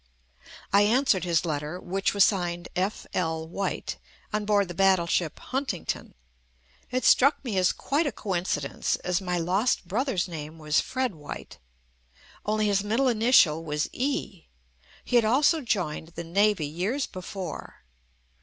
I an swered his letter, which was signed F. L. White on board the Battleship "Huntington." It struck me as quite a coincidence, as my lost brother's name was Fred White, only his mid dle initial was E. He had also joined the Navy years before.